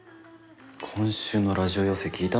今週のラジオ寄席聴いた？